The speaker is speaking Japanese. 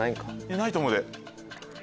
ないと思うで。